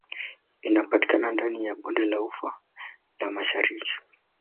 Inapatikana ndani ya Bonde la ufa la Mashariki